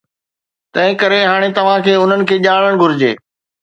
تنهنڪري هاڻي توهان کي انهن کي ڄاڻڻ گهرجي